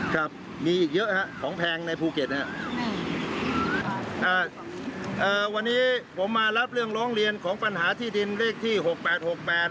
ครับมีอีกเยอะฮะของแพงในภูเก็ตนะฮะอ่าเอ่อวันนี้ผมมารับเรื่องร้องเรียนของปัญหาที่ดินเลขที่หกแปดหกแปด